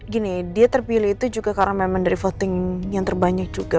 gini dia terpilih itu juga karena memang dari voting yang terbanyak juga